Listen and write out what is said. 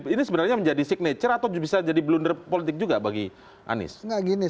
ini sebenarnya menjadi signature atau bisa jadi blunder politik juga bagi anies